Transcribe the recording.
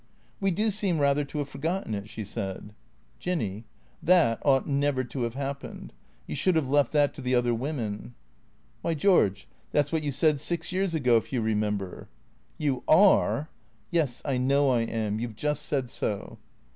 " We do seem rather to have forgotten it," she said. " Jinny — that ought never to have happened. You should have left that to the other women." " Wliy, George, that 's what you said six years ago, if you remember." " You are "" Yes, I know I am. You 've just said so."